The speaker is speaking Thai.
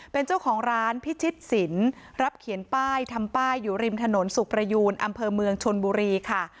เป็นเจ้าของร้านพิชิตสินรับเขียนป้ายทำป้ายอยู่ริมถนนสุขประยูนอำเภอเมืองชนบุรีค่ะ